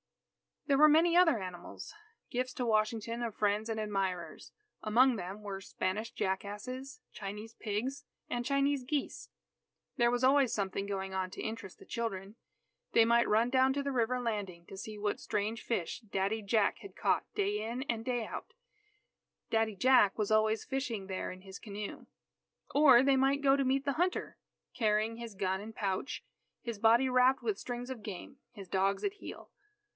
There were many other animals gifts to Washington of friends and admirers. Among them were Spanish jackasses, Chinese pigs, and Chinese geese. There was always something going on to interest the children. They might run down to the river landing to see what strange fish "Daddy Jack" had caught; day in and day out, "Daddy Jack" was always fishing there in his canoe. Or they might go to meet the hunter "carrying his gun and pouch, his body wrapped with strings of game, his dogs at heel."